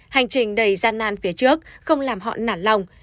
hành trình đầy gian nan phía trước không làm họ nản lòng